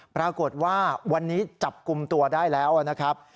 ปรากฏว่าวันนี้จับกลุ่มตัวได้แล้วนะครับ